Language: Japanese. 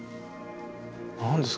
何ですかね。